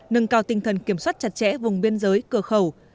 nâng cao tinh thần kiểm soát chặt chẽ vùng biên giới cửa khẩu